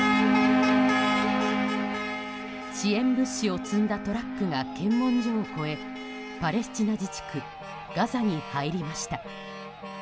支援物資を積んだトラックが検問所を越えパレスチナ自治区ガザに入りました。